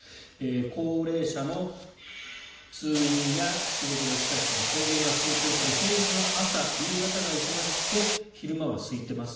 高齢者の通院や仕事で来た人の送迎が集中する平日の朝夕方が忙しくて昼間は空いてます。